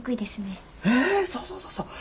ええそうそうそうそう。